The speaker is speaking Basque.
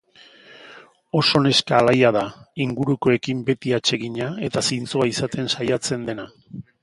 Oso neska alaia da, ingurukoekin beti atsegina eta zintzoa izaten saiatzen dena.